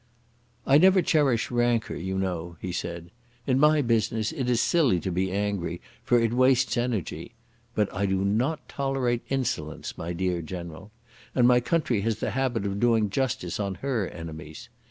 "I never cherish rancour, you know," he said. "In my business it is silly to be angry, for it wastes energy. But I do not tolerate insolence, my dear General. And my country has the habit of doing justice on her enemies.